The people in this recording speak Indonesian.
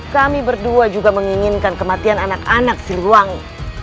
kami berdua juga menginginkan kematian anak anak siliwangi